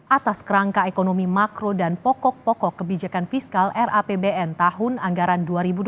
atas kerangka ekonomi makro dan pokok pokok kebijakan fiskal rapbn tahun anggaran dua ribu dua puluh